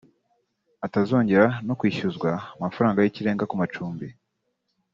atazongera no kwishyuzwa amafaranga y’ikirenga ku macumbi